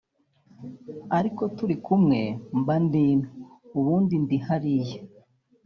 ariko turi kumwe mba ndi ino ubundi ndi hariya